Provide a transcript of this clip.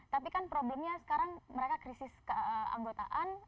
tapi kan problemnya sekarang mereka krisis keanggotaan